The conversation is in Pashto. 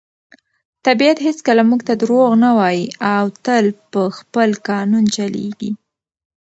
طبیعت هیڅکله موږ ته دروغ نه وایي او تل په خپل قانون چلیږي.